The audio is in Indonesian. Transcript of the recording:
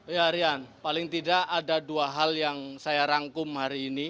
ya rian paling tidak ada dua hal yang saya rangkum hari ini